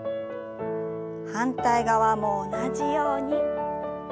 反対側も同じように。